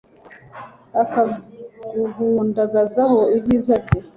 akaguhundagazaho ibyiza bye